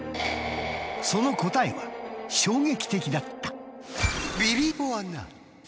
その答えは衝撃的だった。